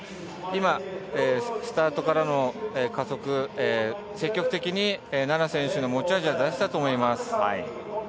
今、スタートからの加速、積極的に菜那選手の持ち味は出せたと思います。